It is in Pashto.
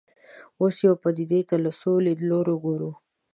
اوس یوې پدیدې ته له څو لیدلوریو ګورو.